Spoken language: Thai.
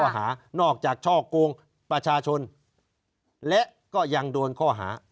ข้อหานอกจากช่อกงประชาชนและก็ยังโดนข้อหาอ้างยี่